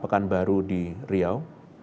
pekanbaru di riau